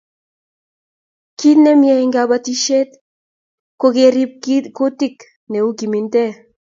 kiit nemie en kabotisheko kerub kiit neuu kimintee